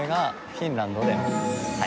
フィンランド。